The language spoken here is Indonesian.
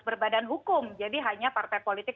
berbadan hukum jadi hanya partai politik